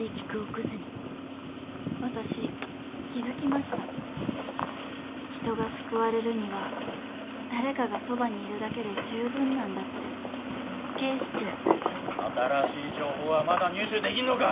私気付きました人が救われるには誰かがそばにいるだけで十分なんだって新しい情報はまだ入手できんのか！